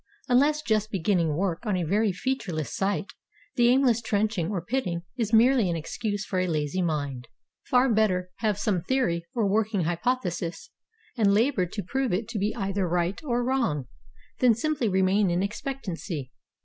Unless just beginning work on a very featureless site, the aimless trenching or pitting is merely an excuse for a lazy mind. Far better have some theory or working hj'pothesis, and labor to prove it to be either right or wrong, than simply remain in expectancy.